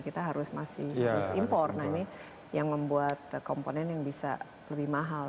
kita harus masih harus impor nah ini yang membuat komponen yang bisa lebih mahal